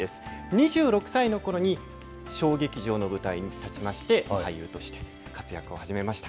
２６歳のころに小劇場の舞台に立ちまして、俳優として活躍を始めました。